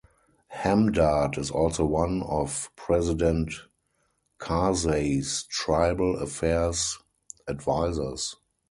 Hamdard is also one of President Karzai's tribal affairs advisors.